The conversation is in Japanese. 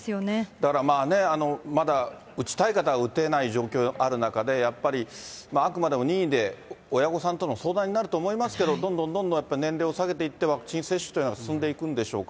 だからまあね、まだ打ちたい方が打てない状況である中で、やっぱり、あくまでも任意で親御さんとの相談になると思いますけれども、どんどんどんどんやっぱり年齢を下げていって、ワクチン接種というのは進んでいくんでしょうか。